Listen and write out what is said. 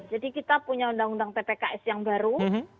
jadi kita punya undang undang ppks yang baru